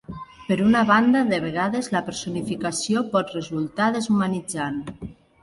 Per una banda, de vegades la personificació pot resultar deshumanitzant.